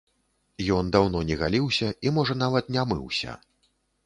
Ён даўно не галіўся і можа нават не мыўся.